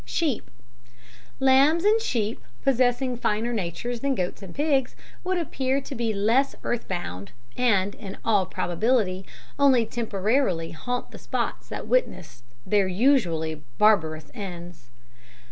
Sheep Lambs and sheep, possessing finer natures than goats and pigs, would appear to be less earth bound, and, in all probability, only temporarily haunt the spots that witnessed their usually barbarous ends.